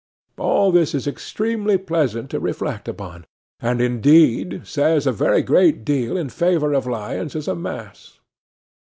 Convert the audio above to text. All this is extremely pleasant to reflect upon, and, indeed, says a very great deal in favour of lions as a mass.